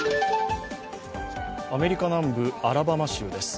アメリカ南部アラバマ州です。